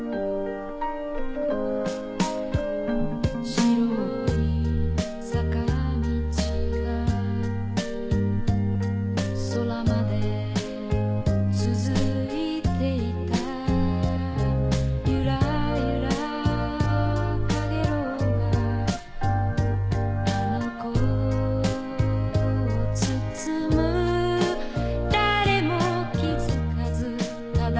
白い坂道が空まで続いていたゆらゆらかげろうがあの子を包む誰も気づかずただ